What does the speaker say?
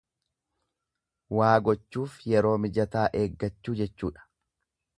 Waa gochuuf yeroo mijataa eeggachuu jechuudha.